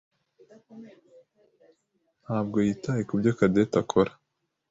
ntabwo yitaye kubyo Cadette akora.